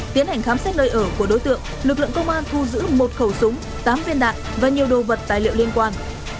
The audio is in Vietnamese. tiến hành khám xét nơi ở của đối tượng lực lượng công an thu giữ một khẩu súng tám viên đạn và nhiều đồ vật tài liệu liên quan